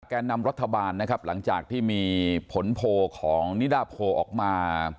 แก่นำรัฐบาลนะครับหลังจากที่มีผลโพลของนิดาโพออกมา